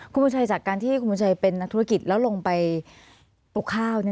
คุณบุญชัยจากการที่คุณบุญชัยเป็นนักธุรกิจแล้วลงไปปลูกข้าว